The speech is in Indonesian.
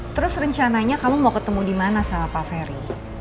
terus rencananya kamu mau ketemu di mana sama pak ferry